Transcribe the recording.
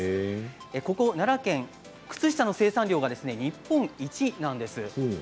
ここ奈良県、靴下の生産量が日本一なんです。